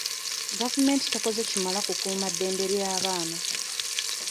Gavumenti tekoze kimala kukuuma ddembe ly'abaana.